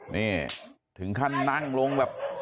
นี่ถึงขั้นนั่งลงแบบ